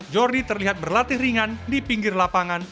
jordi terlihat berlatih ringan di pinggir lapangan